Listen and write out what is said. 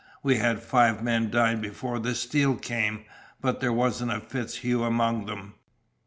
We had five men die before the steel came, but there wasn't a FitzHugh among 'em.